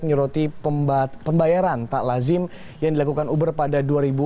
menyoroti pembayaran tak lazim yang dilakukan uber pada dua ribu enam belas